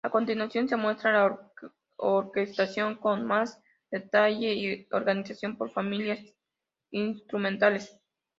A continuación se muestra la orquestación con más detalle y organizada por familias instrumentales.